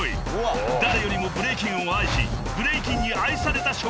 ［誰よりもブレイキンを愛しブレイキンに愛された職人］